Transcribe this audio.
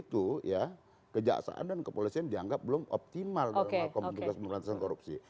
saat itu kejaksaan dan kepolisian dianggap belum optimal dalam hukum tugas pemerintahan korupsi